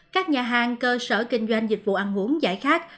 các nhà hàng cơ sở kinh doanh dịch vụ ăn uống giải khát